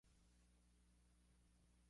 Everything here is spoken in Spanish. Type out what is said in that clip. Está dividida verticalmente en dos cuerpos.